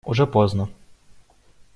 Уже поздно.